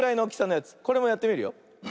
これもやってみるよ。